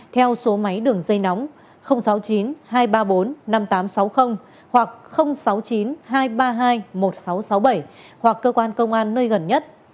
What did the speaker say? theo số máy đường dây nóng sáu mươi chín hai trăm ba mươi bốn năm nghìn tám trăm sáu mươi hoặc sáu mươi chín hai trăm ba mươi hai một nghìn sáu trăm sáu mươi bảy hoặc cơ quan công an nơi gần nhất